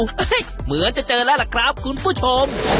เหมือนจะเจอแล้วล่ะครับคุณผู้ชม